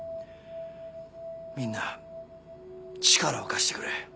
みんな力を貸してくれ。